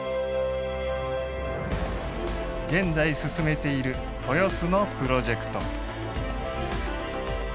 現在進めている豊洲のプロジェクト。